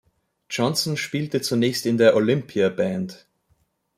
Johnson spielte zunächst in der "Olympia Band".